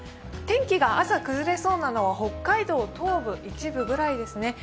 天気が朝崩れそうなのは北海道東部一部ぐらいですね。